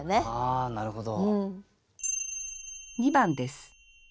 あなるほど。